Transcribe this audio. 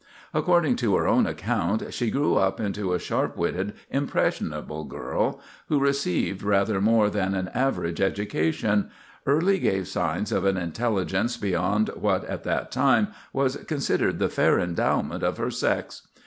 According to her own account, she grew up into a sharp witted, impressionable girl, who, receiving rather more than an average education, early gave signs of an intelligence beyond what, at that time, was considered the fair endowment of her sex.